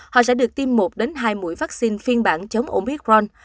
họ sẽ được tìm một hai mũi vaccine phiên bản chống omicron